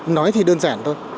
nói thì đơn giản thôi